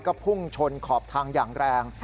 ก็พุ่งชนขอบทางอย่างแรง